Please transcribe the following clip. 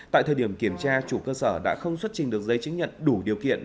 tại thời điểm kiểm tra chủ cơ sở đã không xuất trình được giấy chứng nhận đủ điều kiện